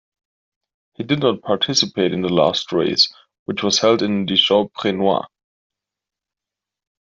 He did not participate in the last race which was held in Dijon-Prenois.